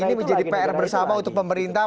ini menjadi pr bersama untuk pemerintah